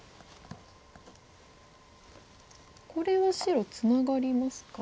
これは白ツナがりますか？